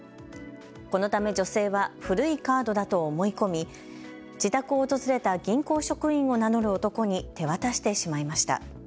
このため女性は古いカードだと思い込み自宅を訪れた銀行職員を名乗る男に手渡してしまいました。